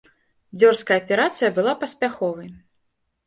Дзёрзкая аперацыя была паспяховай.